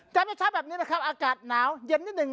เมื่อเช้าแบบนี้นะครับอากาศหนาวเย็นนิดหนึ่ง